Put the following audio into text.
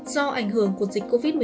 do ảnh hưởng của dịch covid một mươi chín